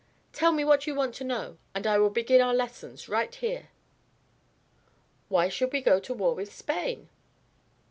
Tell me what you want to know and I will begin our lessons right here." "Why should we go to war with Spain?"